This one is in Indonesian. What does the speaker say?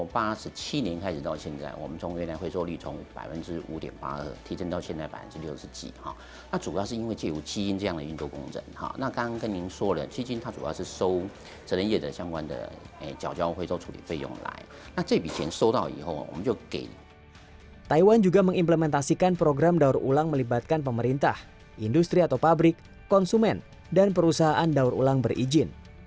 pemerintah taiwan juga mengimplementasikan program daur ulang melibatkan pemerintah industri atau pabrik konsumen dan perusahaan daur ulang berizin